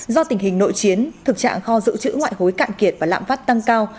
do tình hình nội chiến thực trạng kho dự trữ ngoại hối cạn kiệt và lạm phát tăng cao